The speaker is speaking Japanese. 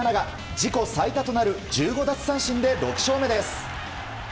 自己最多となる１５奪三振で６勝目です。